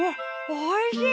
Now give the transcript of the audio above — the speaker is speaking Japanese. おいしい！